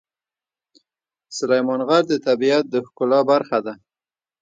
سلیمان غر د طبیعت د ښکلا برخه ده.